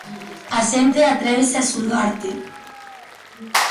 A xente atrévese a xulgarte.